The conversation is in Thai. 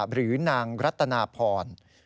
หรือนางรัตนาพร